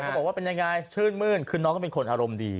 บอกว่าเป็นยังไงชื่นมื้นคือน้องก็เป็นคนอารมณ์ดี